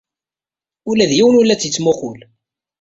Ula d yiwen ur la tt-yettmuqqul.